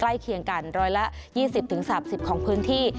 ใกล้เคียงกันร้อยละยี่สิบถึงสามสิบของพื้นที่